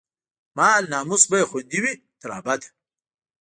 مال، ناموس به يې خوندي وي، تر ابده